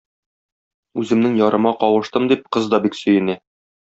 Үземнең ярыма кавыштым, - дип, кыз да бик сөенә.